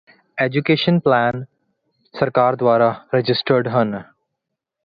education plan ਸਰਕਾਰ ਦਵਾਰਾ registered ਹਨ